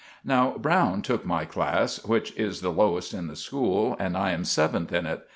Now Browne took my class, which is the lowest in the school, and I am seventh in it.